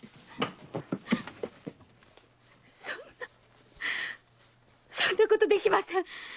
そんなそんなことできません